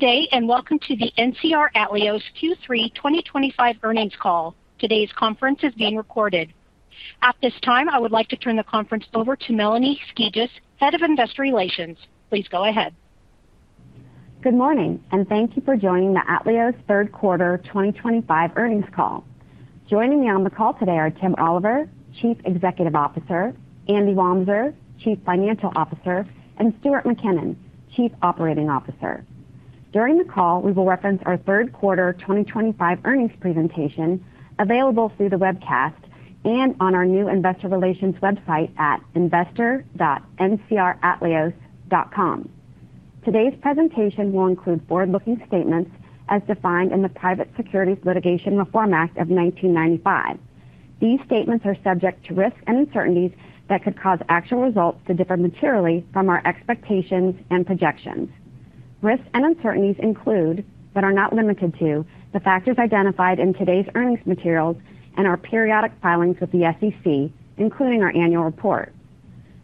Good day and welcome to the NCR Atleos Q3 2025 earnings call. Today's conference is being recorded. At this time, I would like to turn the conference over to Melanie Skijus, Head of Investor Relations. Please go ahead. Good morning, and thank you for joining the Atleos third quarter 2025 earnings call. Joining me on the call today are Tim Oliver, Chief Executive Officer, Andy Wamser, Chief Financial Officer, and Stuart Mackinnon, Chief Operating Officer. During the call, we will reference our third quarter 2025 earnings presentation available through the webcast and on our new Investor Relations website at investor.ncratleos.com. Today's presentation will include forward-looking statements as defined in the Private Securities Litigation Reform Act of 1995. These statements are subject to risks and uncertainties that could cause actual results to differ materially from our expectations and projections. Risks and uncertainties include, but are not limited to, the factors identified in today's earnings materials and our periodic filings with the SEC, including our annual report.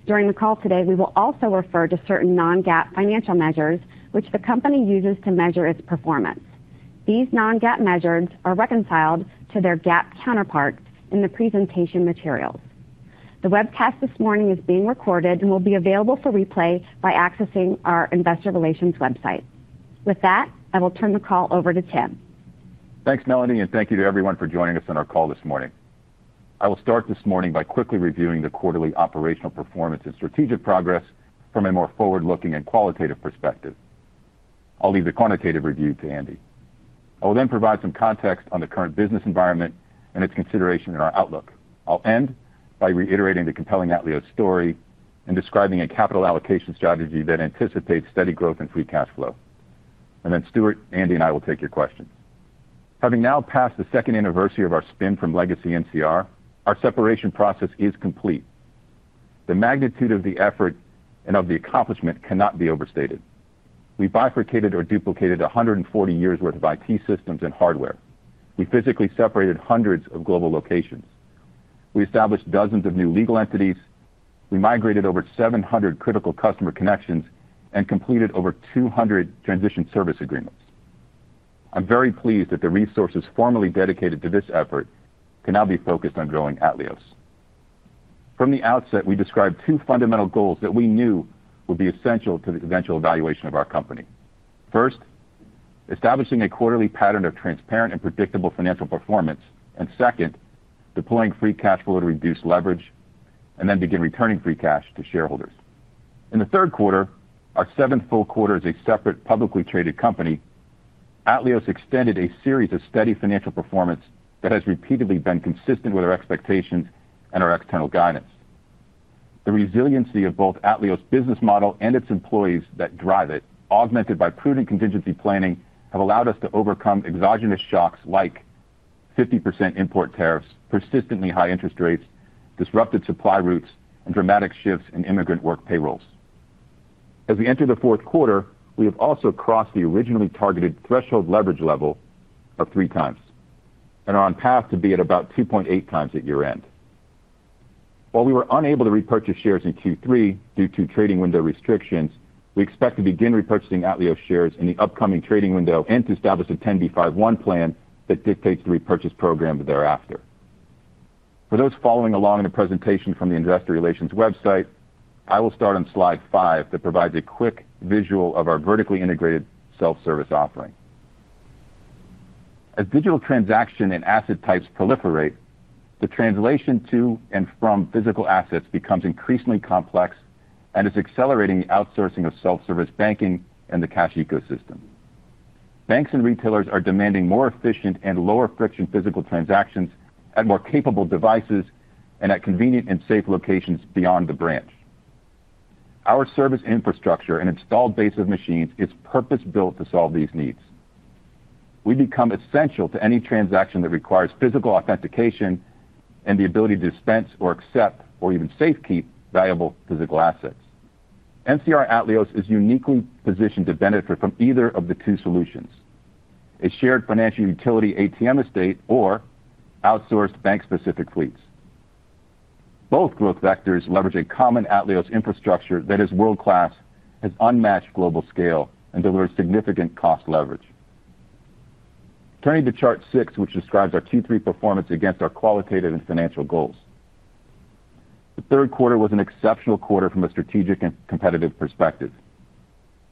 During the call today, we will also refer to certain Non-GAAP financial measures which the company uses to measure its performance. These Non-GAAP measures are reconciled to their GAAP counterparts in the presentation materials. The webcast this morning is being recorded and will be available for replay by accessing our Investor Relations website. With that, I will turn the call over to Tim. Thanks, Melanie, and thank you to everyone for joining us on our call this morning. I will start this morning by quickly reviewing the quarterly operational performance and strategic progress from a more forward-looking and qualitative perspective. I'll leave the quantitative review to Andy. I will then provide some context on the current business environment and its consideration in our outlook. I'll end by reiterating the compelling Atleos story and describing a capital allocation strategy that anticipates steady growth and Free Cash Flow. Stuart, Andy, and I will take your questions. Having now passed the second anniversary of our Spin from Legacy NCR, our separation process is complete. The magnitude of the effort and of the accomplishment cannot be overstated. We bifurcated or duplicated 140 years worth of IT systems and hardware. We physically separated hundreds of global locations. We established dozens of new legal entities. We migrated over 700 critical customer connections and completed over 200 transition service agreements. I'm very pleased that the resources formerly dedicated to this effort can now be focused on growing Atleos. From the outset, we described two fundamental goals that we knew would be essential to the eventual evaluation of our company. First, establishing a quarterly pattern of transparent and predictable financial performance, and second, deploying Free Cash Flow to reduce leverage, and then begin returning free cash to shareholders. In the third quarter, our seventh full quarter as a separate publicly traded company, Atleos extended a series of steady financial performance that has repeatedly been consistent with our expectations and our external guidance. The resiliency of both Atleos' business model and its employees that drive it, augmented by prudent contingency planning, have allowed us to overcome exogenous shocks like 50% import tariffs, persistently high interest rates, disrupted supply routes, and dramatic shifts in immigrant work payrolls. As we enter the fourth quarter, we have also crossed the originally targeted threshold leverage level of three times and are on path to be at about 2.8 times at year-end. While we were unable to repurchase shares in Q3 due to trading window restrictions, we expect to begin repurchasing Atleos shares in the upcoming trading window and to establish a 10B51 plan that dictates the repurchase program thereafter. For those following along in the presentation from the Investor Relations website, I will start on slide five that provides a quick visual of our vertically integrated self-service offering. As digital transaction and asset types proliferate, the translation to and from physical assets becomes increasingly complex and is accelerating the outsourcing of Self-Service Banking and the cash ecosystem. Banks and retailers are demanding more efficient and lower-friction physical transactions at more capable devices and at convenient and safe locations beyond the branch. Our service infrastructure and installed base of machines is purpose-built to solve these needs. We become essential to any transaction that requires physical authentication and the ability to dispense or accept or even safekeep valuable physical assets. NCR Atleos is uniquely positioned to benefit from either of the two solutions: a shared financial utility ATM estate or outsourced bank-specific fleets. Both growth vectors leverage a common Atleos infrastructure that is world-class, has unmatched global scale, and delivers significant cost leverage. Turning to chart six, which describes our Q3 performance against our qualitative and financial goals. The third quarter was an exceptional quarter from a strategic and competitive perspective.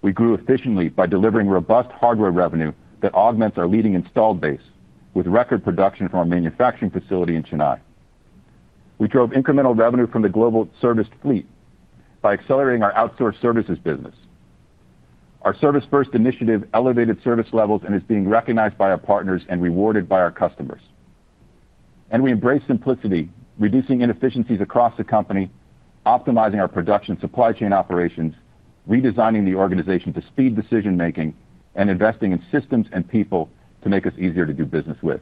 We grew efficiently by delivering robust hardware revenue that augments our leading installed base with record production from our manufacturing facility in Chennai. We drove incremental revenue from the global serviced fleet by accelerating our outsourced services business. Our service-first initiative elevated service levels and is being recognized by our partners and rewarded by our customers. We embraced simplicity, reducing inefficiencies across the company, optimizing our production supply chain operations, redesigning the organization to speed decision-making, and investing in systems and people to make us easier to do business with.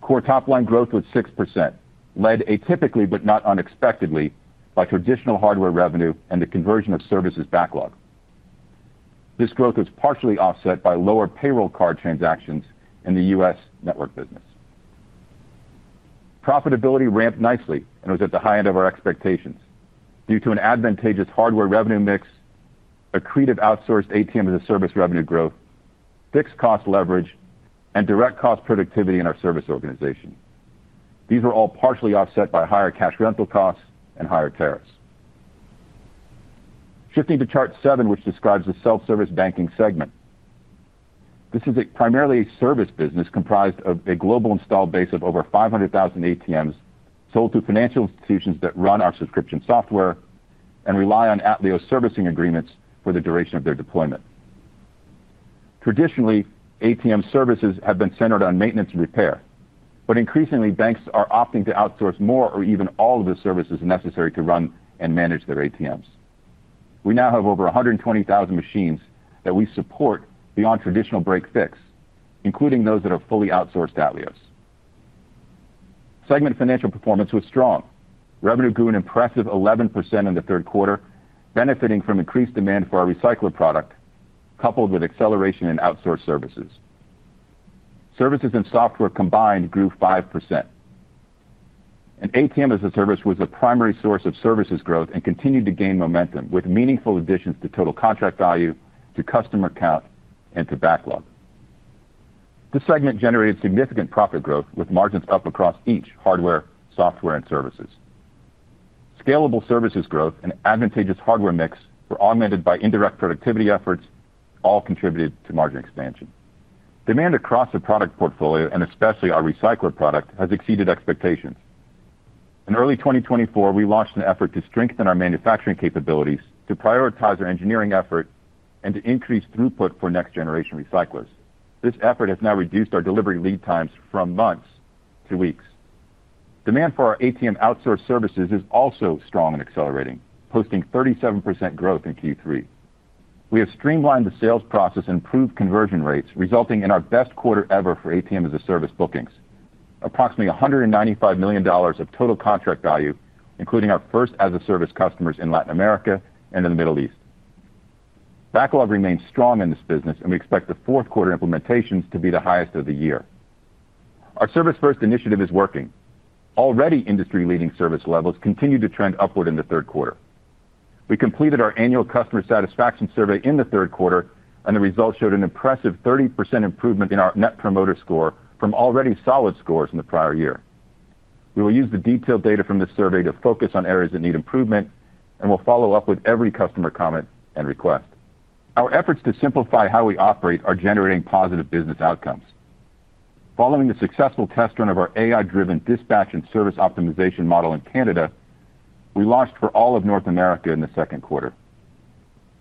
Core top-line growth was 6%, led atypically but not unexpectedly by traditional hardware revenue and the conversion of services backlog. This growth was partially offset by lower payroll card transactions in the U.S. network business. Profitability ramped nicely and was at the high end of our expectations due to an advantageous hardware revenue mix, accretive outsourced ATM as a Service revenue growth, fixed cost leverage, and direct cost productivity in our service organization. These were all partially offset by higher cash rental costs and higher tariffs. Shifting to chart seven, which describes the Self-Service Banking segment. This is primarily a service business comprised of a global installed base of over 500,000 ATMs sold to financial institutions that run our subscription software and rely on Atleos servicing agreements for the duration of their deployment. Traditionally, ATM services have been centered on maintenance and repair, but increasingly, banks are opting to outsource more or even all of the services necessary to run and manage their ATMs. We now have over 120,000 machines that we support beyond traditional break/fix, including those that are fully outsourced to Atleos. Segment financial performance was strong. Revenue grew an impressive 11% in the third quarter, benefiting from increased demand for our recycler product coupled with acceleration in outsourced services. Services and software combined grew 5%. ATM as a Service was the primary source of services growth and continued to gain momentum with meaningful additions to total contract value, to customer count, and to backlog. This segment generated significant profit growth with margins up across each hardware, software, and services. Scalable services growth and advantageous hardware mix were augmented by indirect productivity efforts, all contributed to margin expansion. Demand across the product portfolio, and especially our recycler product, has exceeded expectations. In early 2024, we launched an effort to strengthen our manufacturing capabilities, to prioritize our engineering effort, and to increase throughput for next-generation recyclers. This effort has now reduced our delivery lead times from months to weeks. Demand for our ATM outsourced services is also strong and accelerating, posting 37% growth in Q3. We have streamlined the sales process and improved conversion rates, resulting in our best quarter ever for ATM as a Service bookings, approximately $195 million of total contract value, including our first-as-a-service customers in Latin America and in the Middle East. Backlog remains strong in this business, and we expect the fourth quarter implementations to be the highest of the year. Our service-first initiative is working. Already industry-leading service levels continue to trend upward in the third quarter. We completed our annual customer satisfaction survey in the third quarter, and the results showed an impressive 30% improvement in our Net Promoter Score from already solid scores in the prior year. We will use the detailed data from this survey to focus on areas that need improvement, and we'll follow up with every customer comment and request. Our efforts to simplify how we operate are generating positive business outcomes. Following the successful test run of our AI-driven dispatch and service optimization model in Canada, we launched for all of North America in the second quarter.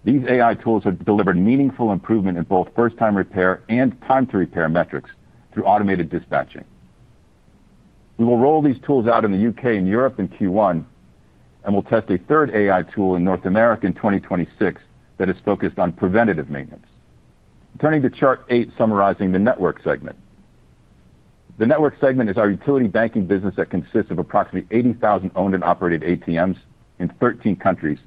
These AI tools have delivered meaningful improvement in both first-time repair and time-to-repair metrics through automated dispatching. We will roll these tools out in the U.K. and Europe in Q1, and we'll test a third AI tool in North America in 2026 that is focused on preventative maintenance. Turning to chart eight, summarizing the network segment. The network segment is our utility banking business that consists of approximately 80,000 owned and operated ATMs in 13 countries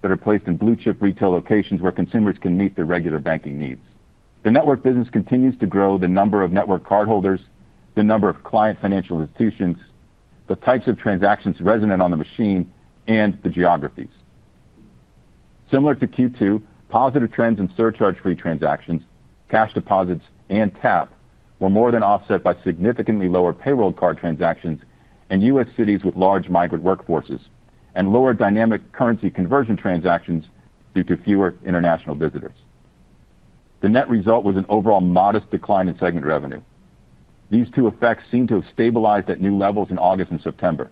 that are placed in blue-chip retail locations where consumers can meet their regular banking needs. The network business continues to grow the number of network cardholders, the number of client financial institutions, the types of transactions resident on the machine, and the geographies. Similar to Q2, positive trends in surcharge-free transactions, cash deposits, and tap were more than offset by significantly lower payroll card transactions in U.S. cities with large migrant workforces and lower dynamic currency conversion transactions due to fewer international visitors. The net result was an overall modest decline in segment revenue. These two effects seem to have stabilized at new levels in August and September.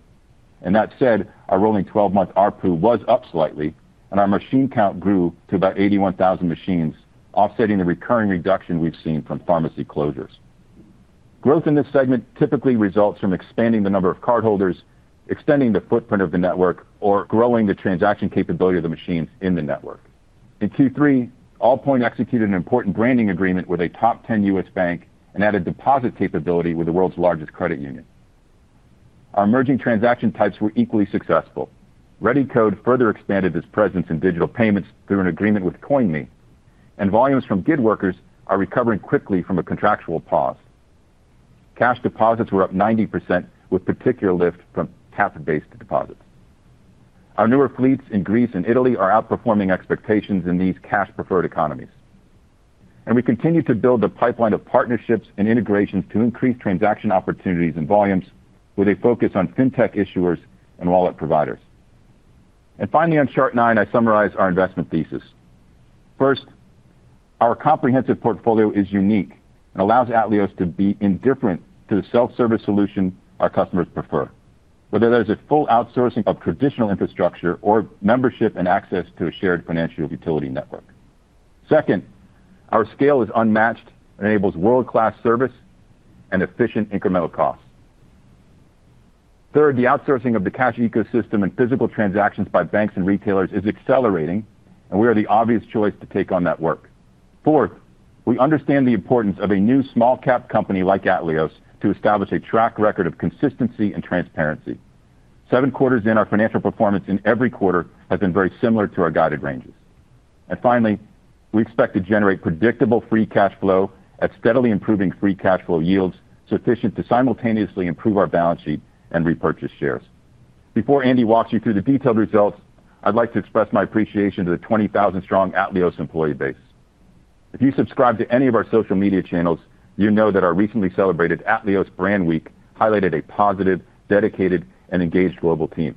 That said, our rolling 12-month RPU was up slightly, and our machine count grew to about 81,000 machines, offsetting the recurring reduction we've seen from pharmacy closures. Growth in this segment typically results from expanding the number of cardholders, extending the footprint of the network, or growing the transaction capability of the machines in the network. In Q3, Allpoint executed an important branding agreement with a top 10 U.S. bank and added deposit capability with the world's largest credit union. Our emerging transaction types were equally successful. ReadyCode further expanded its presence in digital payments through an agreement with CoinMe, and volumes from gig workers are recovering quickly from a contractual pause. Cash deposits were up 90% with particular lift from tap-based deposits. Our newer fleets in Greece and Italy are outperforming expectations in these cash-preferred economies. We continue to build the pipeline of partnerships and integrations to increase transaction opportunities and volumes with a focus on fintech issuers and wallet providers. Finally, on chart nine, I summarize our investment thesis. First, our comprehensive portfolio is unique and allows Atleos to be indifferent to the self-service solution our customers prefer, whether there is a full outsourcing of traditional infrastructure or membership and access to a shared financial utility network. Second, our scale is unmatched and enables world-class service and efficient incremental costs. Third, the outsourcing of the cash ecosystem and physical transactions by banks and retailers is accelerating, and we are the obvious choice to take on that work. Fourth, we understand the importance of a new small-cap company like Atleos to establish a track record of consistency and transparency. Seven quarters in, our financial performance in every quarter has been very similar to our guided ranges. Finally, we expect to generate predictable Free Cash Flow at steadily improving Free Cash Flow yields sufficient to simultaneously improve our Balance Sheet and repurchase shares. Before Andy walks you through the detailed results, I'd like to express my appreciation to the 20,000-strong Atleos employee base. If you subscribe to any of our social media channels, you know that our recently celebrated Atleos Brand Week highlighted a positive, dedicated, and engaged global team.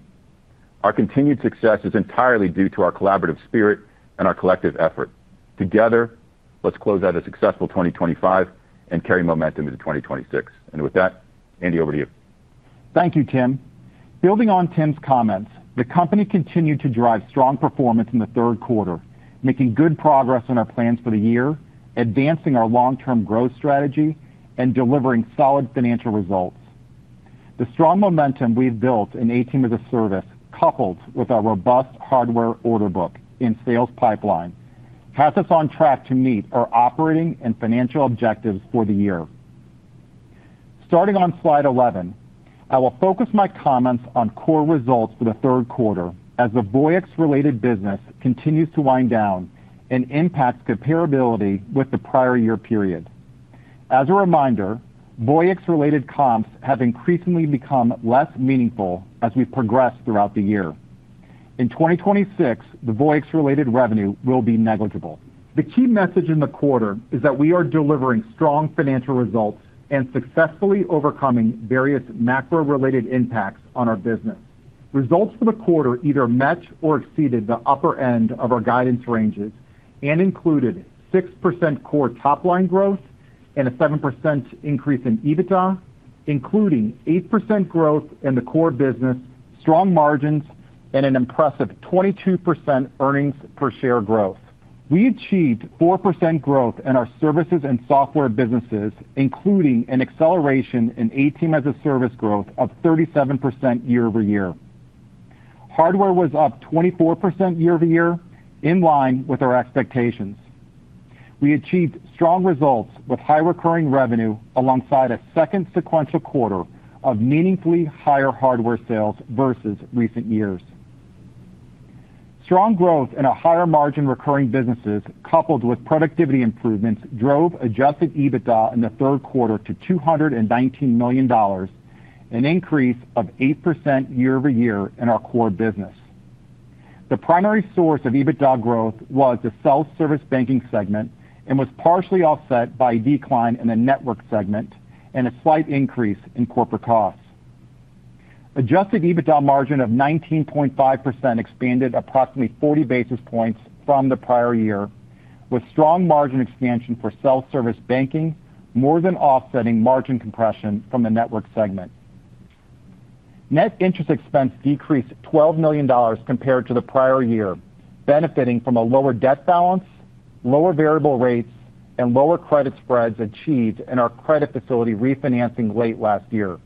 Our continued success is entirely due to our collaborative spirit and our collective effort. Together, let's close out a successful 2025 and carry momentum into 2026. With that, Andy, over to you. Thank you, Tim. Moving on Tim's comments, the company continued to drive strong performance in the third quarter, making good progress on our plans for the year, advancing our long-term growth strategy, and delivering solid financial results. The strong momentum we've built in ATM as a Service, coupled with our robust hardware order book and sales pipeline, has us on track to meet our operating and financial objectives for the year. Starting on slide 11, I will focus my comments on core results for the third quarter as the Voyix related business continues to wind down and impacts comparability with the prior year period. As a reminder, Voyix related comps have increasingly become less meaningful as we progress throughout the year. In 2026, the Voyix related revenue will be negligible. The key message in the quarter is that we are delivering strong financial results and successfully overcoming various macro-related impacts on our business. Results for the quarter either met or exceeded the upper end of our guidance ranges and included 6% core top-line growth and a 7% increase in EBITDA, including 8% growth in the core business, strong margins, and an impressive 22% earnings per share growth. We achieved 4% growth in our services and software businesses, including an acceleration in ATM as a Service growth of 37% year-over-year. Hardware was up 24% year-over-year, in line with our expectations. We achieved strong results with high recurring revenue alongside a second sequential quarter of meaningfully higher hardware sales versus recent years. Strong growth in our higher margin recurring businesses, coupled with productivity improvements, drove Adjusted EBITDA in the third quarter to $219 million. An increase of 8% year-over-year in our core business. The primary source of EBITDA growth was the Self-Service Banking segment and was partially offset by a decline in the network segment and a slight increase in corporate costs. Adjusted EBITDA margin of 19.5% expanded approximately 40 basis points from the prior year, with strong margin expansion for Self-Service Banking more than offsetting margin compression from the network segment. Net interest expense decreased $12 million compared to the prior year, benefiting from a lower debt balance, lower variable rates, and lower credit spreads achieved in our credit facility refinancing late last year.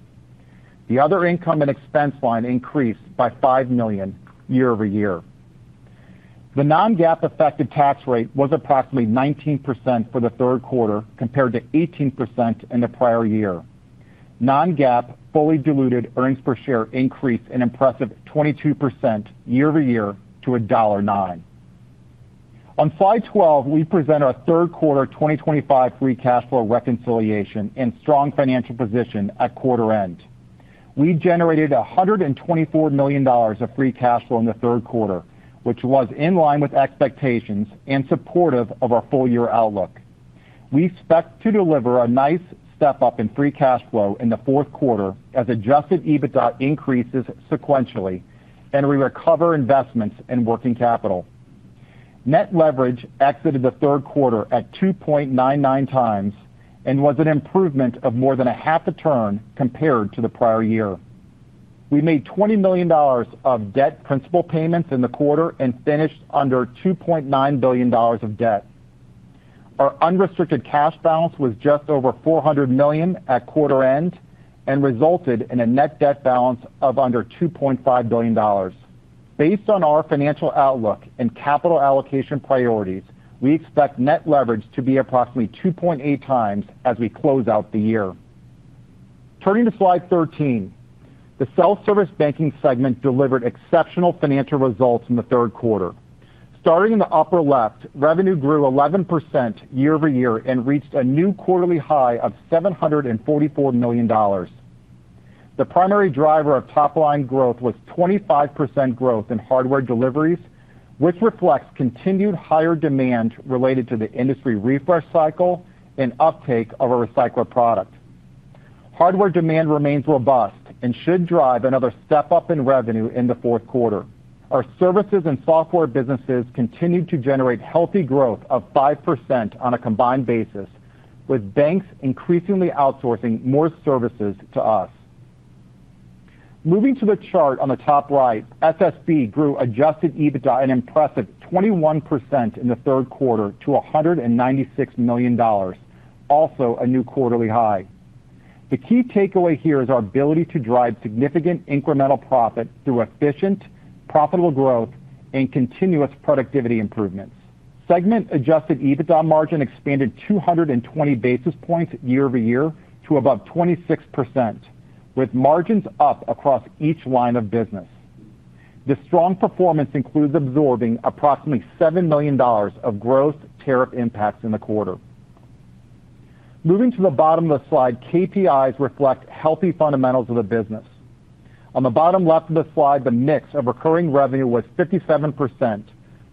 The other income and expense line increased by $5 million year-over-year. The Non-GAAP-affected tax rate was approximately 19% for the third quarter compared to 18% in the prior year. Non-GAAP fully diluted earnings per share increased an impressive 22% year-over-year to $1.09. On slide 12, we present our third quarter 2025 Free Cash Flow reconciliation and strong financial position at quarter end. We generated $124 million of Free Cash Flow in the third quarter, which was in line with expectations and supportive of our full-year outlook. We expect to deliver a nice step up in Free Cash Flow in the fourth quarter as Adjusted EBITDA increases sequentially and we recover investments and working capital. Net Leverage exited the third quarter at 2.99 times and was an improvement of more than a half a turn compared to the prior year. We made $20 million of debt principal payments in the quarter and finished under $2.9 billion of debt. Our unrestricted cash balance was just over $400 million at quarter end and resulted in a Net Debt Balance of under $2.5 billion. Based on our financial outlook and capital allocation priorities, we expect Net Leverage to be approximately 2.8 times as we close out the year. Turning to slide 13, the Self-Service Banking segment delivered exceptional financial results in the third quarter. Starting in the upper left, revenue grew 11% year-over-year and reached a new quarterly high of $744 million. The primary driver of top-line growth was 25% growth in hardware deliveries, which reflects continued higher demand related to the industry refresh cycle and uptake of a recycled product. Hardware demand remains robust and should drive another step up in revenue in the fourth quarter. Our services and software businesses continued to generate healthy growth of 5% on a combined basis, with banks increasingly outsourcing more services to us. Moving to the chart on the top right, SSB grew Adjusted EBITDA an impressive 21% in the third quarter to $196 million, also a new quarterly high. The key takeaway here is our ability to drive significant incremental profit through efficient, profitable growth and continuous productivity improvements. Segment-Adjusted EBITDA margin expanded 220 basis points year-over-year to above 26%, with margins up across each line of business. The strong performance includes absorbing approximately $7 million of gross tariff impacts in the quarter. Moving to the bottom of the slide, KPIs reflect healthy fundamentals of the business. On the bottom left of the slide, the mix of recurring revenue was 57%,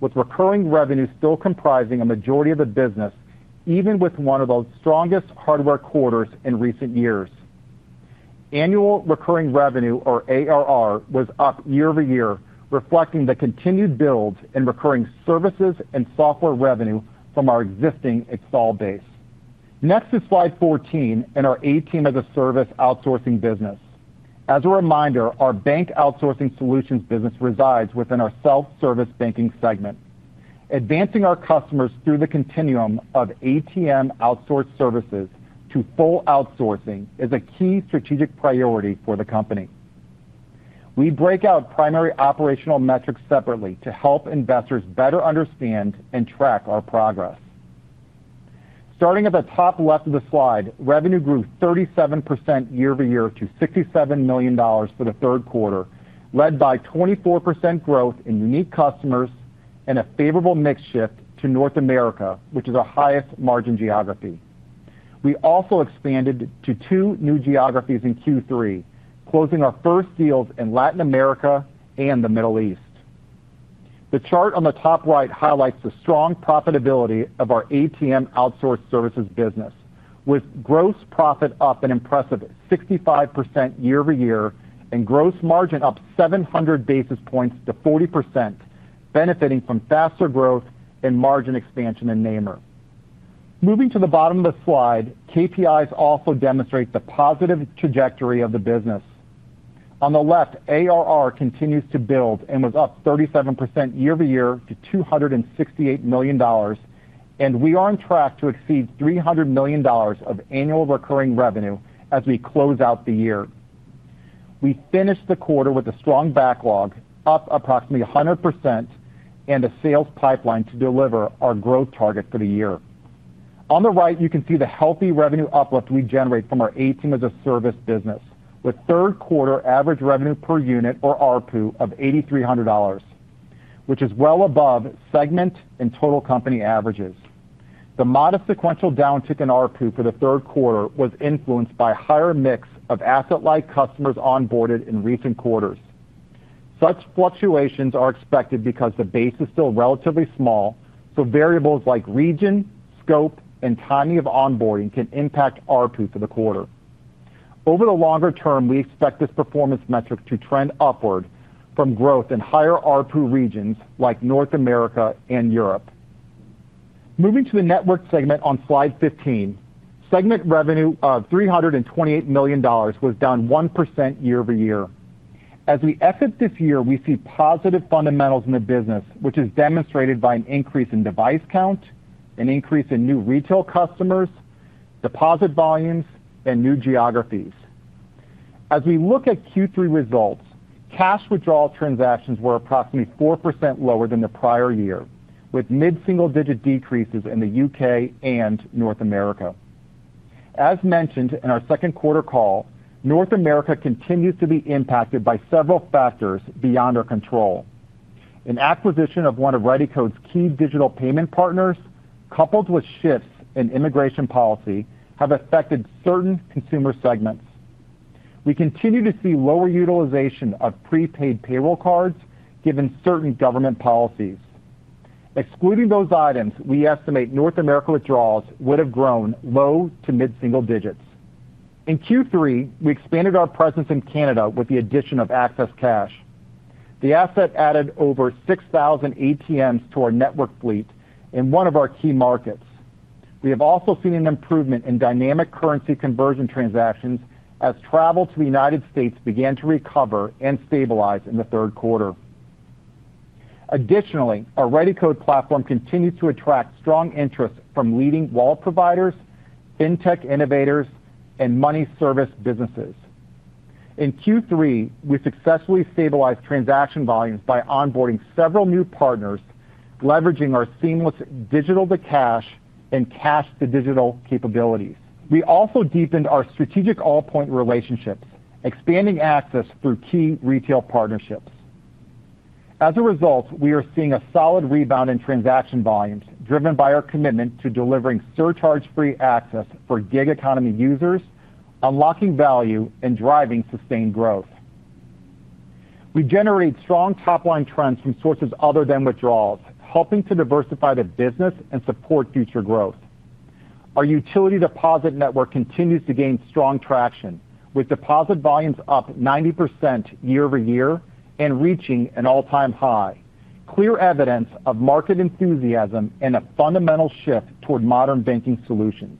with recurring revenue still comprising a majority of the business, even with one of the strongest hardware quarters in recent years. Annual recurring revenue, or ARR, was up year-over-year, reflecting the continued build in recurring services and software revenue from our existing install base. Next is slide 14 in our ATM as a Service outsourcing business. As a reminder, our bank outsourcing solutions business resides within our Self-Service Banking segment. Advancing our customers through the continuum of ATM outsourced services to full outsourcing is a key strategic priority for the company. We break out primary operational metrics separately to help investors better understand and track our progress. Starting at the top left of the slide, revenue grew 37% year-over-year to $67 million for the third quarter, led by 24% growth in unique customers and a favorable mix shift to North America, which is our highest margin geography. We also expanded to two new geographies in Q3, closing our first deals in Latin America and the Middle East. The chart on the top right highlights the strong profitability of our ATM outsourced services business, with gross profit up an impressive 65% year-over-year and gross margin up 700 basis points to 40%, benefiting from faster growth and margin expansion in NAMER. Moving to the bottom of the slide, KPIs also demonstrate the positive trajectory of the business. On the left, ARR continues to build and was up 37% year-over-year to $268 million, and we are on track to exceed $300 million of annual recurring revenue as we close out the year. We finished the quarter with a strong backlog, up approximately 100%, and a sales pipeline to deliver our growth target for the year. On the right, you can see the healthy revenue uplift we generate from our ATM as a Service business, with third quarter average revenue per unit, or RPU, of $8,300. Which is well above segment and total company averages. The modest sequential downtick in RPU for the third quarter was influenced by a higher mix of asset-like customers onboarded in recent quarters. Such fluctuations are expected because the base is still relatively small, so variables like region, scope, and timing of onboarding can impact RPU for the quarter. Over the longer term, we expect this performance metric to trend upward from growth in higher RPU regions like North America and Europe. Moving to the network segment on slide 15, segment revenue of $328 million was down 1% year-over-year. As we exit this year, we see positive fundamentals in the business, which is demonstrated by an increase in device count, an increase in new retail customers, deposit volumes, and new geographies. As we look at Q3 results, cash withdrawal transactions were approximately 4% lower than the prior year, with mid-single-digit decreases in the U.K. and North America. As mentioned in our second quarter call, North America continues to be impacted by several factors beyond our control. An acquisition of one of ReadyCode's key digital payment partners, coupled with shifts in immigration policy, has affected certain consumer segments. We continue to see lower utilization of prepaid payroll cards given certain government policies. Excluding those items, we estimate North America withdrawals would have grown low to mid-single digits. In Q3, we expanded our presence in Canada with the addition of Access Cash. The asset added over 6,000 ATMs to our network fleet in one of our key markets. We have also seen an improvement in dynamic currency conversion transactions as travel to the U.S. began to recover and stabilize in the third quarter. Additionally, our ReadyCode platform continues to attract strong interest from leading Wallet Providers, Fintech Innovators, and Money Service Businesses. In Q3, we successfully stabilized transaction volumes by onboarding several new partners, leveraging our seamless Digital-to-Cash and Cash-to-Digital capabilities. We also deepened our strategic Allpoint relationship, expanding access through key retail partnerships. As a result, we are seeing a solid rebound in transaction volumes, driven by our commitment to delivering surcharge-free access for gig economy users, unlocking value, and driving sustained growth. We generate strong top-line trends from sources other than withdrawals, helping to diversify the business and support future growth. Our utility deposit network continues to gain strong traction, with deposit volumes up 90% year-over-year and reaching an all-time high, clear evidence of market enthusiasm and a fundamental shift toward modern banking solutions.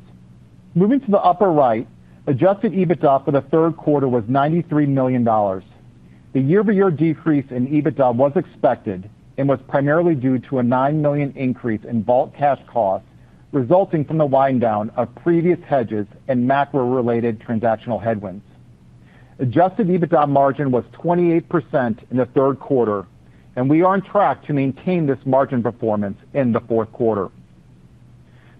Moving to the upper right, Adjusted EBITDA for the third quarter was $93 million. The year-over-year decrease in EBITDA was expected and was primarily due to a $9 million increase in vault cash costs, resulting from the wind down of previous hedges and macro-related transactional headwinds. Adjusted EBITDA margin was 28% in the third quarter, and we are on track to maintain this margin performance in the fourth quarter.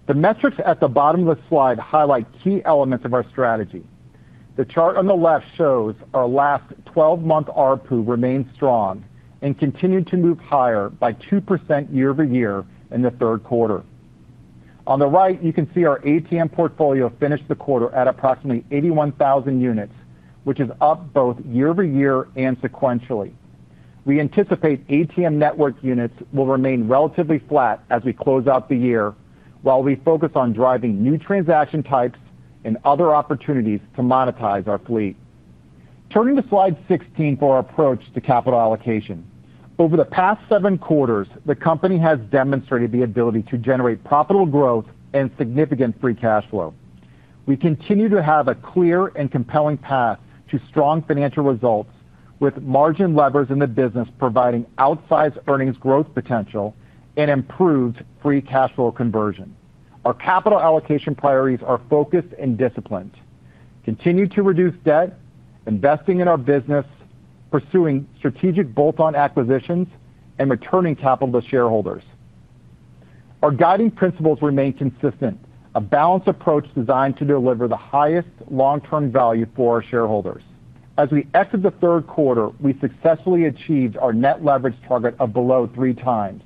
The metrics at the bottom of the slide highlight key elements of our strategy. The chart on the left shows our last 12-month RPU remained strong and continued to move higher by 2% year-over-year in the third quarter. On the right, you can see our ATM portfolio finished the quarter at approximately 81,000 units, which is up both year-over-year and sequentially. We anticipate ATM network units will remain relatively flat as we close out the year, while we focus on driving new transaction types and other opportunities to monetize our fleet. Turning to slide 16 for our approach to capital allocation. Over the past seven quarters, the company has demonstrated the ability to generate profitable growth and significant Free Cash Flow. We continue to have a clear and compelling path to strong financial results, with margin levers in the business providing outsized earnings growth potential and improved Free Cash Flow conversion. Our capital allocation priorities are focused and disciplined. Continue to reduce debt, investing in our business. Pursuing strategic bolt-on acquisitions, and returning capital to shareholders. Our guiding principles remain consistent, a balanced approach designed to deliver the highest long-term value for our shareholders. As we exit the third quarter, we successfully achieved our Net Leverage target of below three times,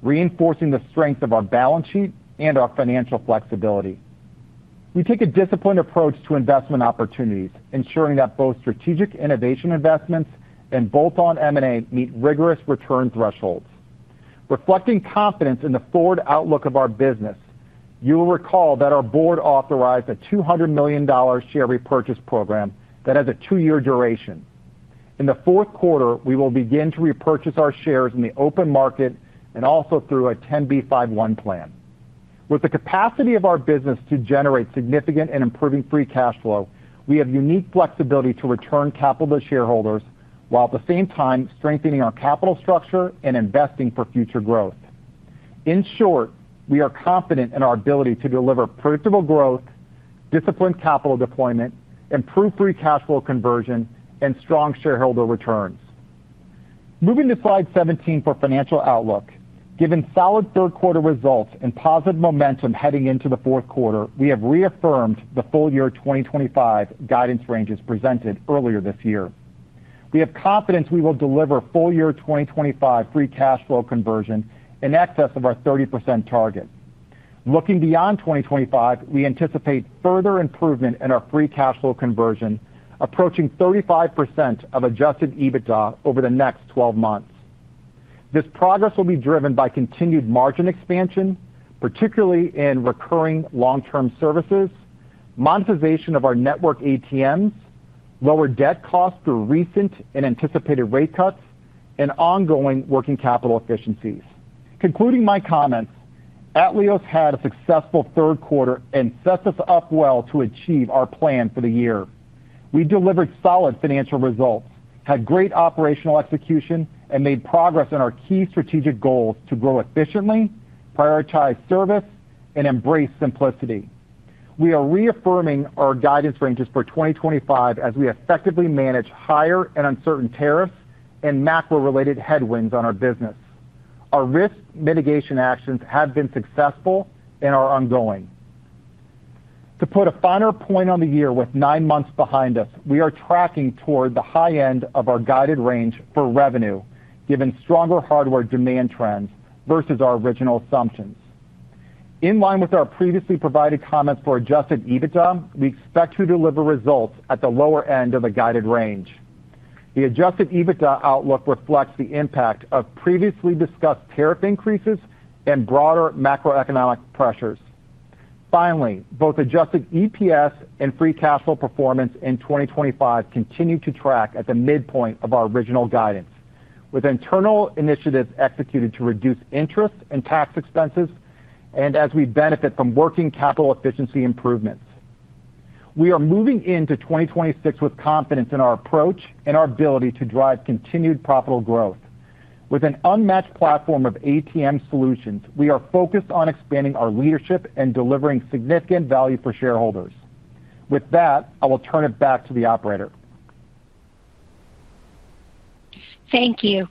reinforcing the strength of our Balance Sheet and our Financial Flexibility. We take a disciplined approach to investment opportunities, ensuring that both strategic innovation investments and bolt-on M&A meet rigorous return thresholds, reflecting confidence in the forward outlook of our business. You will recall that our board authorized a $200 million share repurchase program that has a two-year duration. In the fourth quarter, we will begin to repurchase our shares in the open market and also through a 10B51 plan. With the capacity of our business to generate significant and improving Free Cash Flow, we have unique flexibility to return capital to shareholders while at the same time strengthening our capital structure and investing for future growth. In short, we are confident in our ability to deliver predictable growth, disciplined capital deployment, improved Free Cash Flow conversion, and strong shareholder returns. Moving to slide 17 for financial outlook. Given solid third-quarter results and positive momentum heading into the fourth quarter, we have reaffirmed the full year 2025 guidance ranges presented earlier this year. We have confidence we will deliver full year 2025 Free Cash Flow conversion in excess of our 30% target. Looking beyond 2025, we anticipate further improvement in our Free Cash Flow conversion, approaching 35% of Adjusted EBITDA over the next 12 months. This progress will be driven by continued margin expansion, particularly in recurring long-term services, monetization of our network ATMs, lower debt costs through recent and anticipated rate cuts, and ongoing working capital efficiencies. Concluding my comments, Atleos had a successful third quarter and set us up well to achieve our plan for the year. We delivered solid financial results, had great operational execution, and made progress in our key strategic goals to grow efficiently, prioritize service, and embrace simplicity. We are reaffirming our guidance ranges for 2025 as we effectively manage higher and uncertain tariffs and macro-related headwinds on our business. Our risk mitigation actions have been successful and are ongoing. To put a finer point on the year, with nine months behind us, we are tracking toward the high end of our guided range for revenue, given stronger hardware demand trends versus our original assumptions. In line with our previously provided comments for Adjusted EBITDA, we expect to deliver results at the lower end of the guided range. The Adjusted EBITDA outlook reflects the impact of previously discussed tariff increases and broader macroeconomic pressures. Finally, both Adjusted EPS and Free Cash Flow performance in 2025 continue to track at the midpoint of our original guidance, with internal initiatives executed to reduce interest and tax expenses, and as we benefit from working capital efficiency improvements. We are moving into 2026 with confidence in our approach and our ability to drive continued profitable growth. With an unmatched platform of ATM solutions, we are focused on expanding our leadership and delivering significant value for shareholders. With that, I will turn it back to the operator. Thank you.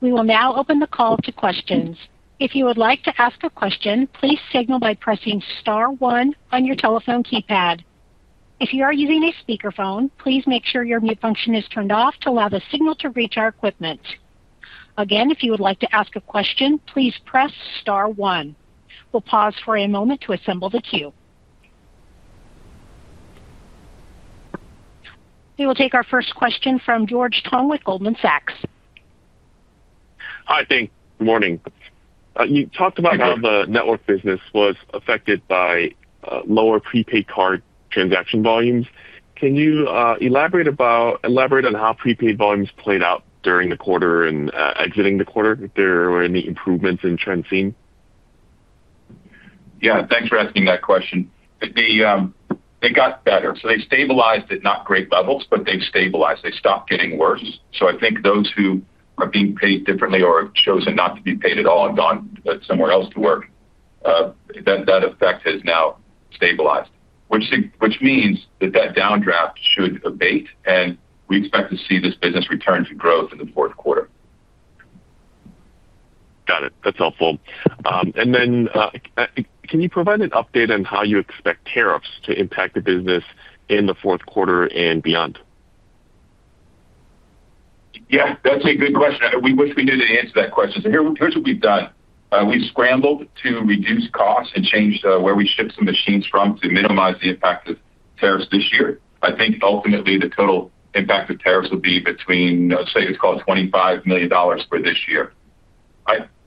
We will now open the call to questions. If you would like to ask a question, please signal by pressing star one on your telephone keypad. If you are using a speakerphone, please make sure your mute function is turned off to allow the signal to reach our equipment. Again, if you would like to ask a question, please press star one. We'll pause for a moment to assemble the queue. We will take our first question from George Tong with Goldman Sachs. Hi, thank you. Good morning. You talked about how the network business was affected by lower prepaid card transaction volumes. Can you elaborate on how prepaid volumes played out during the quarter and exiting the quarter? If there were any improvements in trends seen? Yeah, thanks for asking that question. They got better. So they stabilized at not great levels, but they've stabilized. They stopped getting worse. I think those who are being paid differently or have chosen not to be paid at all and gone somewhere else to work. That effect has now stabilized, which means that that downdraft should abate, and we expect to see this business return to growth in the fourth quarter. Got it. That's helpful. Can you provide an update on how you expect tariffs to impact the business in the fourth quarter and beyond? Yeah, that's a good question. We wish we knew the answer to that question. Here's what we've done. We've scrambled to reduce costs and changed where we shipped some machines from to minimize the impact of tariffs this year. I think ultimately the total impact of tariffs will be between, let's say, it's called $25 million for this year.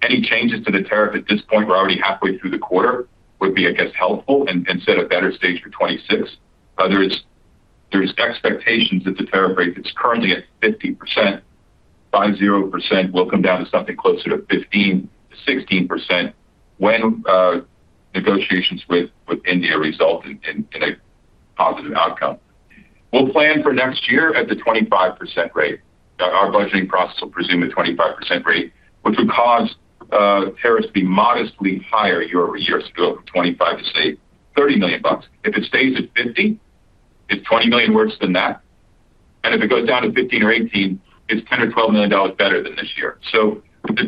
Any changes to the tariff at this point, we're already halfway through the quarter, would be, I guess, helpful and set a better stage for 2026. There's expectations that the tariff rate that's currently at 50%—five-zero percent—will come down to something closer to 15%-16% when negotiations with India result in a positive outcome. We'll plan for next year at the 25% rate. Our budgeting process will presume a 25% rate, which would cause tariffs to be modestly higher year-over-year to go from $25 million to say $30 million. If it stays at 50%, it's $20 million worse than that. If it goes down to 15% or 18%, it's $10 million or $12 million better than this year.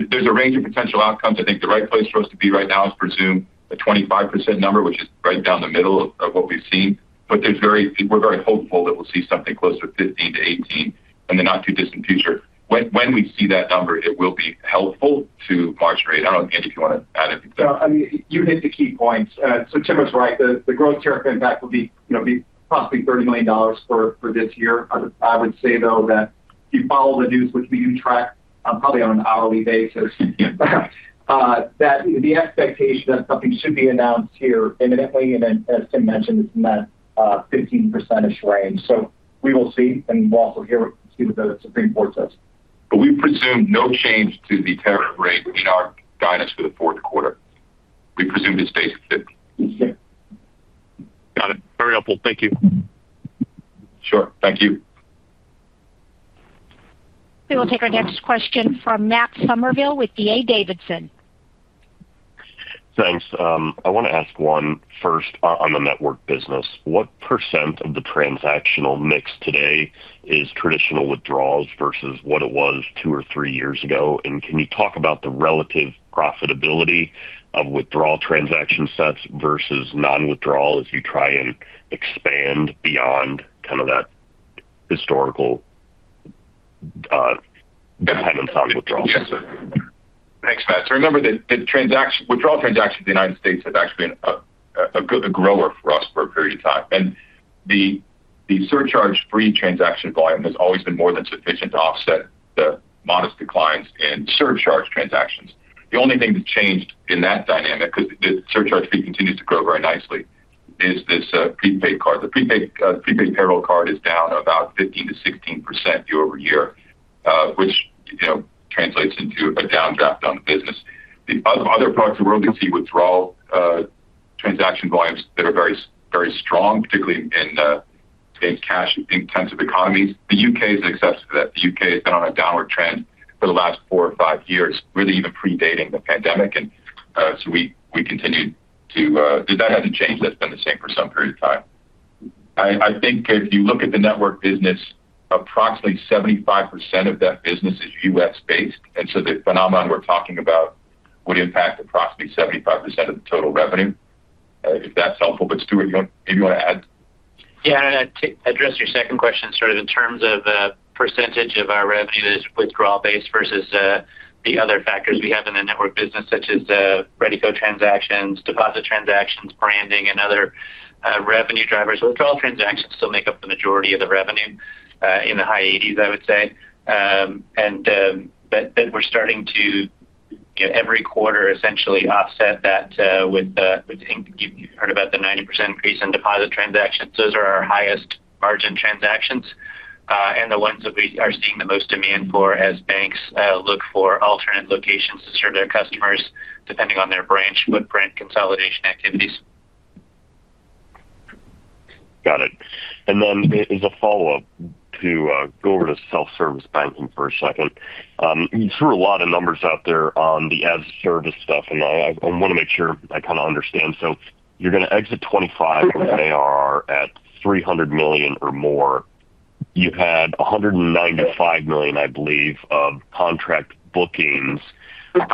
There's a range of potential outcomes. I think the right place for us to be right now is presume a 25% number, which is right down the middle of what we've seen. But we're very hopeful that we'll see something closer to 15%-18% in the not-too-distant future. When we see that number, it will be helpful to march rate. I don't know, Andy, if you want to add anything. No, I mean, you hit the key points. So Tim was right. The growth tariff impact will be possibly $30 million for this year. I would say, though, that if you follow the news, which we do track probably on an hourly basis, that the expectation that something should be announced here imminently, and as Tim mentioned, it's in that 15%-ish range. We will see, and we'll also hear what the Supreme Court says. We presume no change to the tariff rate in our guidance for the fourth quarter. We presume it stays at 50%. Got it. Very helpful. Thank you. Sure. Thank you. We will take our next question from Matt Somerville with D.A. Davidson. Thanks. I want to ask one first on the network business. What percent of the transactional mix today is traditional withdrawals versus what it was two or three years ago? And can you talk about the relative profitability of withdrawal transaction sets versus non-withdrawal as you try and expand beyond kind of that historical dependence on withdrawal? Yes, sir. Thanks, Matt. Remember that withdrawal transactions in the United States have actually been a grower for us for a period of time. The surcharge-free transaction volume has always been more than sufficient to offset the modest declines in surcharge transactions. The only thing that's changed in that dynamic, because the surcharge fee continues to grow very nicely, is this prepaid card. The prepaid payroll card is down about 15% to 16% year-over-year, which translates into a downdraft on the business. Other parts of the world, we see withdrawal transaction volumes that are very strong, particularly in cash-intensive economies. The U.K. is an exception to that. The U.K. has been on a downward trend for the last four or five years, really even predating the pandemic. We continue to—that hasn't changed. That's been the same for some period of time. I think if you look at the network business, approximately 75% of that business is U.S.-based. The phenomenon we're talking about would impact approximately 75% of the total revenue, if that's helpful. Stuart, maybe you want to add? Yeah. I'd address your second question sort of in terms of the percentage of our revenue that is withdrawal-based versus the other factors we have in the network business, such as ReadyCode transactions, deposit transactions, branding, and other revenue drivers. Withdrawal transactions still make up the majority of the revenue in the high 80%, I would say. We're starting to, every quarter, essentially offset that with—you heard about the 90% increase in deposit transactions. Those are our highest margin transactions and the ones that we are seeing the most demand for as banks look for alternate locations to serve their customers, depending on their branch footprint consolidation activities. Got it. As a follow-up to go over to Self-Service Banking for a second, you threw a lot of numbers out there on the as-a-service stuff, and I want to make sure I kind of understand. You're going to exit 2025 when they are at $300 million or more. You had $195 million, I believe, of contract bookings. What,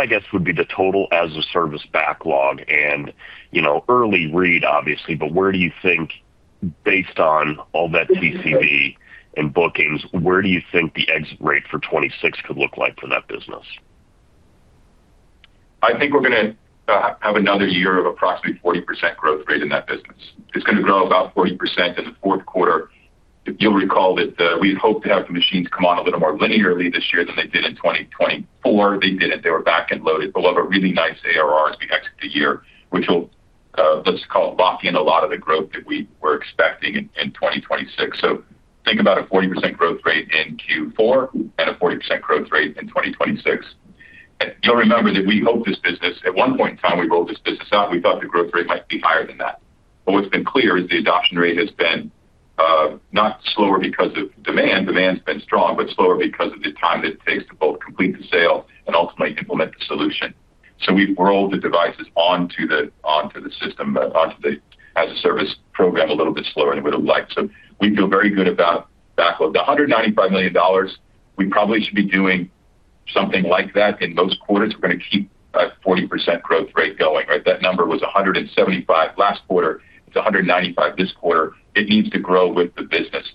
I guess, would be the total as-a-service backlog? Early read, obviously, but where do you think, based on all that TCV and bookings, where do you think the exit rate for 2026 could look like for that business? I think we're going to have another year of approximately 40% growth rate in that business. It's going to grow about 40% in the fourth quarter. You'll recall that we hoped to have the machines come on a little more linearly this year than they did in 2024. They didn't. They were back and loaded. We'll have a really nice ARR as we exit the year, which will, let's call it, lock in a lot of the growth that we were expecting in 2026. Think about a 40% growth rate in Q4 and a 40% growth rate in 2026. You'll remember that we hoped this business—at one point in time, we rolled this business out. We thought the growth rate might be higher than that. What's been clear is the adoption rate has been, not slower because of demand—demand's been strong—but slower because of the time that it takes to both complete the sale and ultimately implement the solution. We've rolled the devices onto the system, onto the as-a-service program a little bit slower than we would have liked. We feel very good about backlog. The $195 million, we probably should be doing something like that in most quarters. We're going to keep that 40% growth rate going. That number was $175 million last quarter. It's $195 million this quarter. It needs to grow with the business.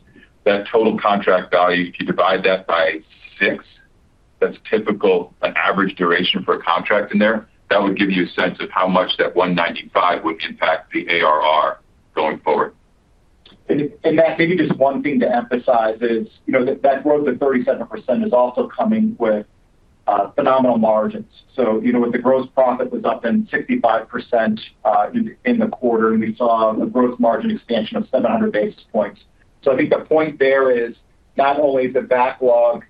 That total contract value, if you divide that by six, that's typical, an average duration for a contract in there. That would give you a sense of how much that 195 would impact the ARR going forward. Matt, maybe just one thing to emphasize is that growth of 37% is also coming with phenomenal margins. With the gross profit, it was up 65% in the quarter, and we saw a gross margin expansion of 700 basis points. I think the point there is not only the backlog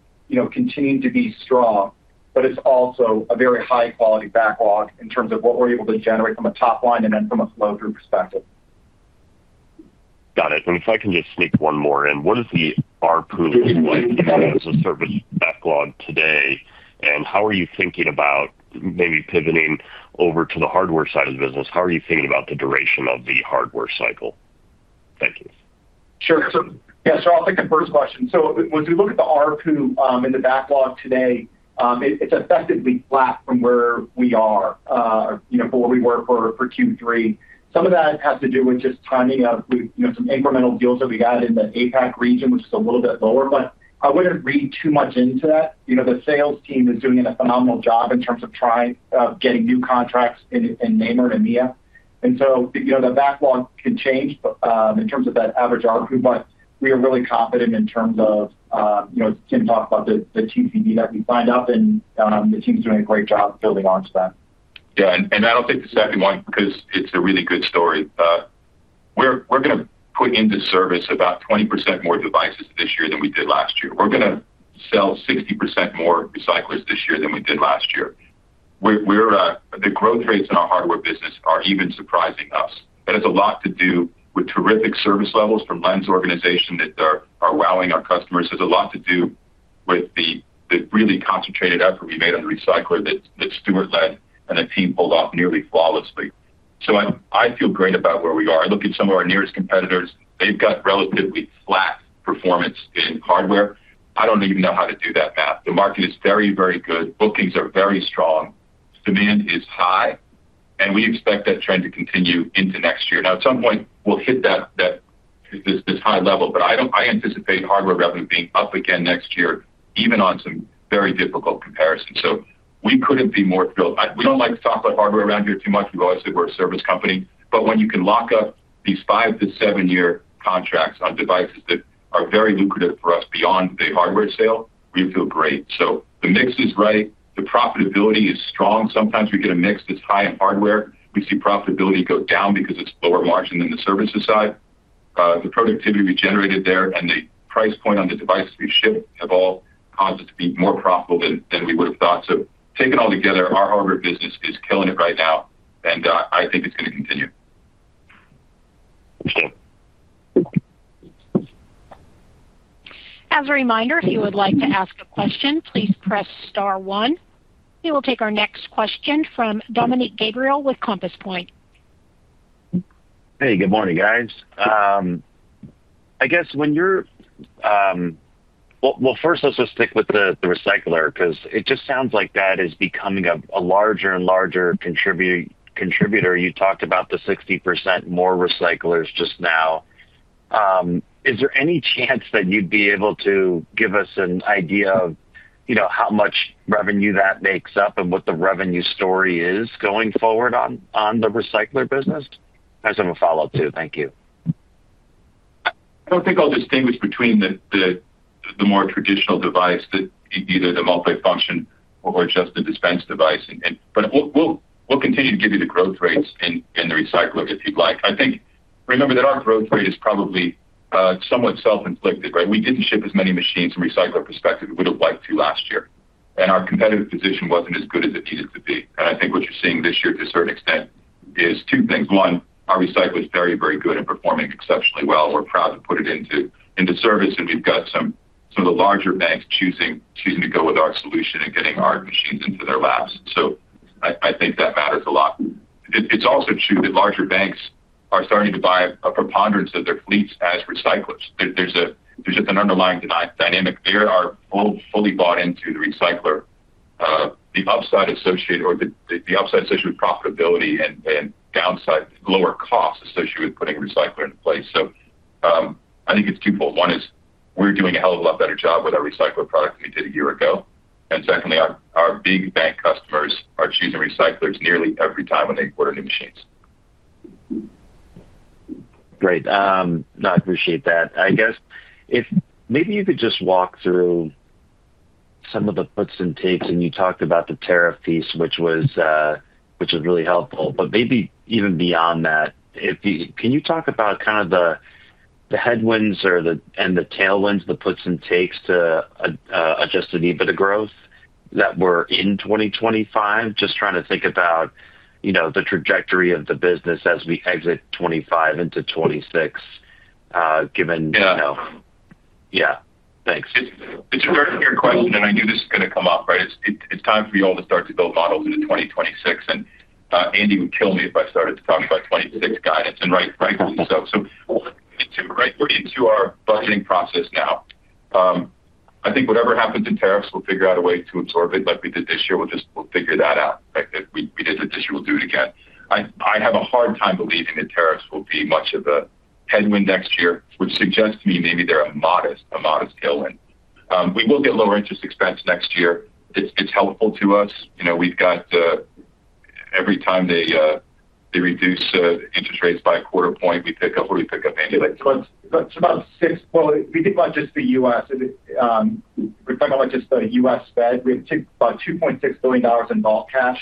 continuing to be strong, but it's also a very high-quality backlog in terms of what we're able to generate from a top line and then from a flow-through perspective. Got it. If I can just sneak one more in, what is the RPU as a service backlog today? How are you thinking about maybe pivoting over to the hardware side of the business? How are you thinking about the duration of the hardware cycle? Thank you. Sure. Yeah. I'll take the first question. As we look at the RPU in the backlog today, it's effectively flat from where we are, from where we were for Q3. Some of that has to do with just timing out with some incremental deals that we got in the APAC region, which is a little bit lower. I wouldn't read too much into that. The sales team is doing a phenomenal job in terms of trying getting new contracts in NAMER and EMEA. The backlog can change in terms of that average RPU, but we are really confident in terms of. Tim talked about the TCV that we signed up, and the team's doing a great job building onto that. Yeah. I don't think the second one, because it's a really good story. We're going to put into service about 20% more devices this year than we did last year. We're going to sell 60% more recyclers this year than we did last year. The growth rates in our hardware business are even surprising us. That has a lot to do with terrific service levels from Lenz Organization that are wowing our customers. There's a lot to do with the really concentrated effort we made on the recycler that Stuart led and the team pulled off nearly flawlessly. I feel great about where we are. I look at some of our nearest competitors. They've got relatively flat performance in hardware. I don't even know how to do that math. The market is very, very good. Bookings are very strong. Demand is high, and we expect that trend to continue into next year. At some point, we'll hit that. This high level. I anticipate hardware revenue being up again next year, even on some very difficult comparisons. We could not be more thrilled. We do not like to talk about hardware around here too much. We have always said we are a service company. When you can lock up these five to seven-year contracts on devices that are very lucrative for us beyond the hardware sale, we feel great. The mix is right. The profitability is strong. Sometimes we get a mix that is high in hardware. We see profitability go down because it is lower margin than the services side. The productivity we generated there and the price point on the devices we shipped have all caused us to be more profitable than we would have thought. So taken all together, our hardware business is killing it right now, and I think it's going to continue. As a reminder, if you would like to ask a question, please press star one. We will take our next question from Dominick Gabriele with Compass Point. Hey, good morning, guys. I guess when you're— First, let's just stick with the recycler, because it just sounds like that is becoming a larger and larger contributor. You talked about the 60% more recyclers just now. Is there any chance that you'd be able to give us an idea of how much revenue that makes up and what the revenue story is going forward on the recycler business? I just have a follow-up too. Thank you. I do not think I will distinguish between the more traditional device, either the multifunction or just the dispense device. We will continue to give you the growth rates in the recycler, if you would like. I think remember that our growth rate is probably somewhat self-inflicted, right? We did not ship as many machines from a recycler perspective as we would have liked to last year. Our competitive position was not as good as it needed to be. I think what you are seeing this year, to a certain extent, is two things. One, our recycler is very, very good at performing exceptionally well. We are proud to put it into service, and we have got some of the larger banks choosing to go with our solution and getting our machines into their labs. I think that matters a lot. It's also true that larger banks are starting to buy a preponderance of their fleets as recyclers. There's just an underlying dynamic. They are fully bought into the recycler. The upside associated with profitability and lower costs associated with putting a recycler into place. I think it's twofold. One is we're doing a hell of a lot better job with our recycler product than we did a year ago. Secondly, our big bank customers are choosing recyclers nearly every time when they order new machines. Great. No, I appreciate that. I guess maybe you could just walk through some of the puts and takes, and you talked about the tariff piece, which was really helpful. Maybe even beyond that, can you talk about kind of the headwinds and the tailwinds, the puts and takes to Adjusted EBITDA growth that we're in 2025? Just trying to think about the trajectory of the business as we exit 2025 into 2026. Given— Yeah. Yeah. Thanks. It's a very fair question, and I knew this was going to come up, right? It's time for you all to start to build models into 2026. Andy would kill me if I started to talk about 2026 guidance, and rightfully so. We are getting into our budgeting process now. I think whatever happens in tariffs, we'll figure out a way to absorb it like we did this year. We'll figure that out. We did it this year. We'll do it again. I have a hard time believing that tariffs will be much of a headwind next year, which suggests to me maybe they're a modest tailwind. We will get lower interest expense next year. It's helpful to us. Every time they reduce interest rates by a quarter point, we pick up—or we pick up anyway. It is about six—well, we did not buy just the U.S. We are talking about just the U.S. Fed. We took about $2.6 billion in bulk cash.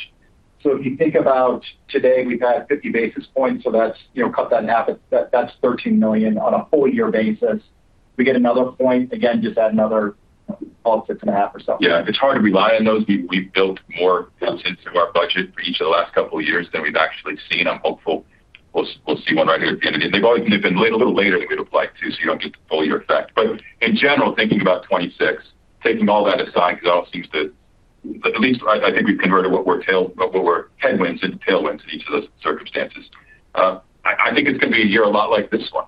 If you think about today, we have had 50 basis points, so cut that in half, that is $13 million on a full-year basis. We get another point, again, just add another—call it six and a half or something. Yeah. It is hard to rely on those. We have built more into our budget for each of the last couple of years than we have actually seen. I am hopeful we will see one right here at the end of the year. They have been a little later than we would have liked to, so you do not get the full-year effect. In general, thinking about 2026, taking all that aside because it all seems to—at least I think we've converted what were headwinds into tailwinds in each of those circumstances. I think it's going to be a year a lot like this one.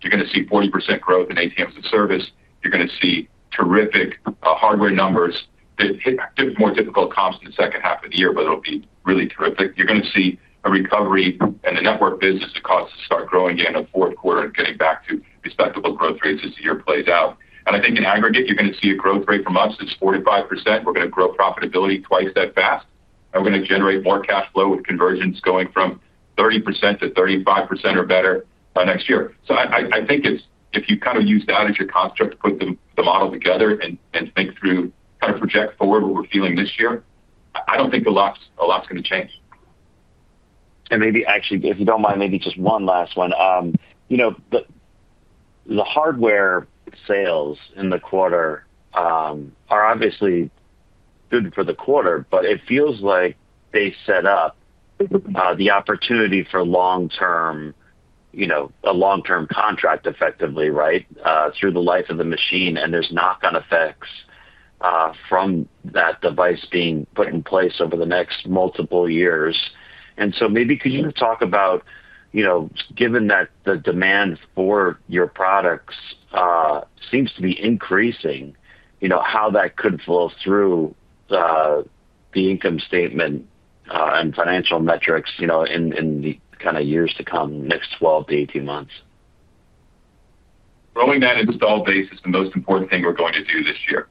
You're going to see 40% growth in ATM as a Service. You're going to see terrific hardware numbers that hit more difficult comps in the second half of the year, but it'll be really terrific. You're going to see a recovery in the network business that caused us to start growing again in the fourth quarter and getting back to respectable growth rates as the year plays out. I think in aggregate, you're going to see a growth rate from us that's 45%. We're going to grow profitability twice that fast. We're going to generate more cash flow with convergence going from 30% to 35% or better next year. I think if you kind of use that as your construct to put the model together and think through, kind of project forward what we're feeling this year, I don't think a lot's going to change. Maybe actually, if you don't mind, maybe just one last one. The hardware sales in the quarter are obviously good for the quarter, but it feels like they set up the opportunity for a long-term contract effectively, right, through the life of the machine. There's knock-on effects from that device being put in place over the next multiple years. Maybe could you talk about, given that the demand for your products seems to be increasing, how that could flow through the income statement in financial metrics in the kind of years to come, next 12 to 18 months? Growing that installed base is the most important thing we're going to do this year.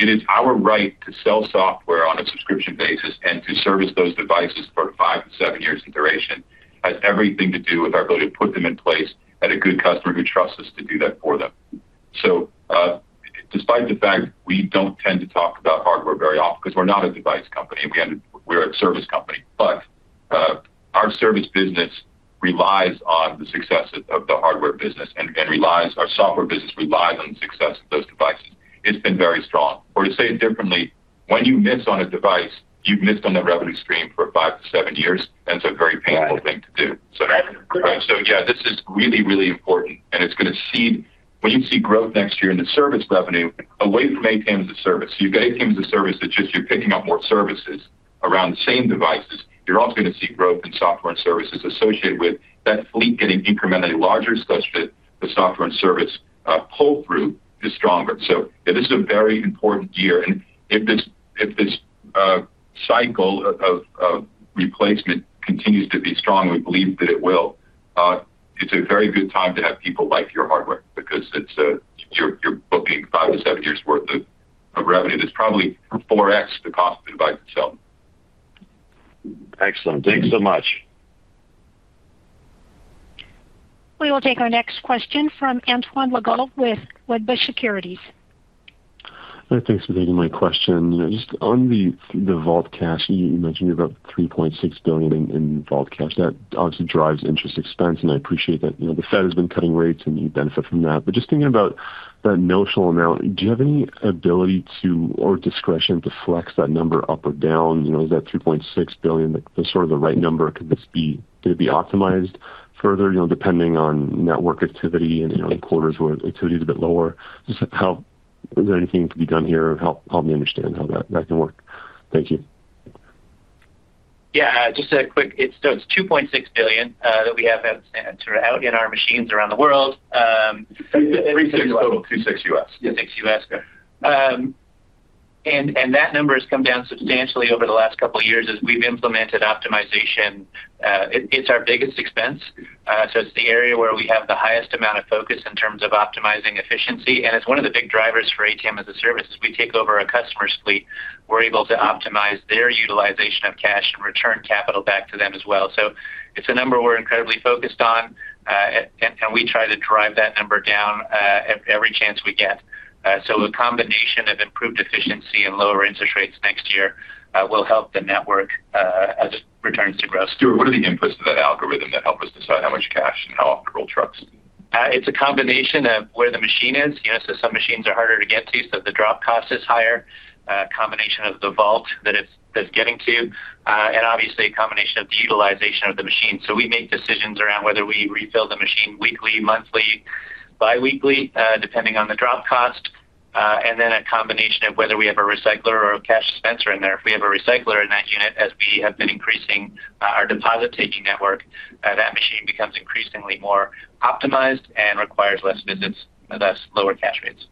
It is our right to sell software on a subscription basis and to service those devices for five to seven years in duration. It has everything to do with our ability to put them in place at a good customer who trusts us to do that for them. Despite the fact we don't tend to talk about hardware very often because we're not a device company, we're a service company. Our service business relies on the success of the hardware business and our software business relies on the success of those devices. It's been very strong. Or to say it differently, when you miss on a device, you've missed on the revenue stream for five to seven years, and it's a very painful thing to do. This is really, really important, and it's going to seed—when you see growth next year in the service revenue away from ATM as a Service. You've got ATM as a Service that just you're picking up more services around the same devices. You're also going to see growth in software and services associated with that fleet getting incrementally larger such that the software and service pull-through is stronger. This is a very important year. If this cycle of replacement continues to be strong, and we believe that it will, it's a very good time to have people like your hardware because you're booking five to seven years worth of revenue. It's probably 4X the cost of the device itself. Excellent. Thanks so much. We will take our next question from Antoine Legault with Wedbush Securities. Thanks for taking my question. Just on the vault cash, you mentioned you have about $3.6 billion in vault cash. That obviously drives interest expense, and I appreciate that. The Fed has been cutting rates, and you benefit from that. Just thinking about that notional amount, do you have any ability to—or discretion to flex that number up or down? Is that $3.6 billion sort of the right number? Could it be optimized further depending on network activity and quarters where activity is a bit lower? Is there anything that could be done here? Help me understand how that can work. Thank you. Yeah. Just a quick—so it's $2.6 billion that we have out in our machines around the world. $3.6 billion total. $2.6 billion US. $2.6 billion U.S. And that number has come down substantially over the last couple of years as we've implemented optimization. It's our biggest expense. It's the area where we have the highest amount of focus in terms of optimizing efficiency. It's one of the big drivers for ATM as a Service. As we take over a customer's fleet, we're able to optimize their utilization of cash and return capital back to them as well. It's a number we're incredibly focused on. We try to drive that number down every chance we get. A combination of improved efficiency and lower interest rates next year will help the network as it returns to growth. Stuart, what are the inputs to that algorithm that help us decide how much cash and how often to roll trucks? It's a combination of where the machine is. Some machines are harder to get to, so the drop cost is higher. A combination of the vault that it's getting to. And obviously, a combination of the utilization of the machine. We make decisions around whether we refill the machine weekly, monthly, biweekly, depending on the drop cost. Then a combination of whether we have a recycler or a cash dispenser in there. If we have a recycler in that unit, as we have been increasing our deposit-taking network, that machine becomes increasingly more optimized and requires fewer visits, thus lower cash rates.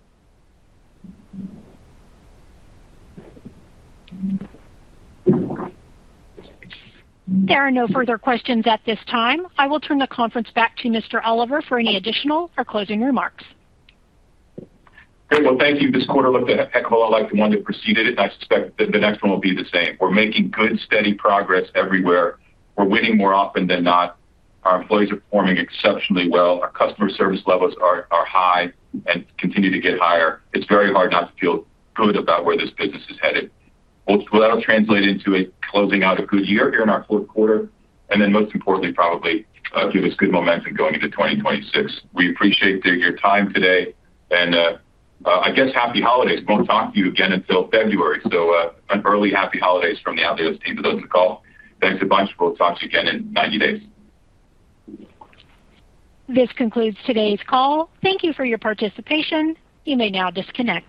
There are no further questions at this time. I will turn the conference back to Mr. Oliver for any additional or closing remarks. Thank you. This quarter looked a heck of a lot like the one that preceded it. I suspect that the next one will be the same. We're making good, steady progress everywhere. We're winning more often than not. Our employees are performing exceptionally well. Our customer service levels are high and continue to get higher. It's very hard not to feel good about where this business is headed. That'll translate into closing out a good year here in our fourth quarter, and then most importantly, probably give us good momentum going into 2026. We appreciate your time today. I guess, happy holidays. We won't talk to you again until February. So an early happy holidays from the Atleos team to those on the call. Thanks a bunch. We'll talk to you again in 90 days. This concludes today's call. Thank you for your participation. You may now disconnect.